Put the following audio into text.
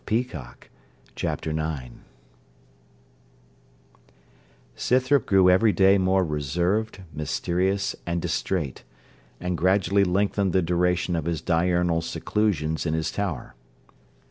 CHAPTER IX Scythrop grew every day more reserved, mysterious, and distrait; and gradually lengthened the duration of his diurnal seclusions in his tower.